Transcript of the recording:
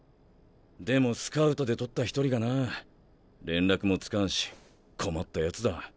でもスカウトで獲った１人がな連絡もつかんし困ったやつだ。